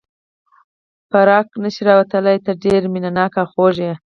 فراق نه شي راوستلای، ته ډېر مینه ناک او خوږ یې.